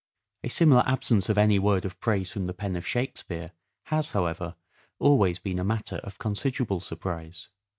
A similar absence of any word of praise from the pen of Shakespeare has, however, always been a matter of considerable surprise.